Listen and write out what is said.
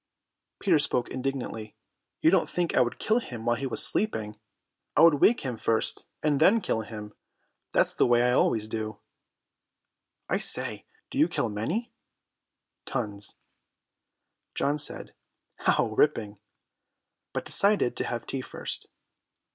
Peter spoke indignantly. "You don't think I would kill him while he was sleeping! I would wake him first, and then kill him. That's the way I always do." "I say! Do you kill many?" "Tons." John said "How ripping," but decided to have tea first.